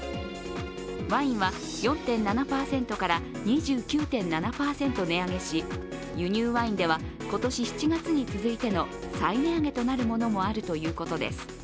ワインは４．７％から２９．７％値上げし輸入ワインでは今年７月に続いての再値上げとなるものもあるということです。